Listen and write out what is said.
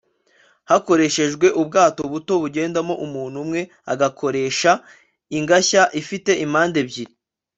hakoreshejwe ubwato buto bugendamo umuntu umwe agakoresha ingashya ifite impande ebyiri